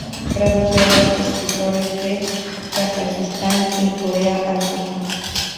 Traduce obras de escritores de Kazajistán y Corea al ruso.